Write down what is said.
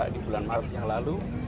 di bulan maret yang lalu